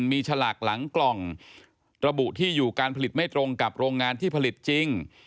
มีฉลากหลังกล่องระบุที่อยู่การผลิตไม่ตรงกับโรงงานที่ผลิตจริง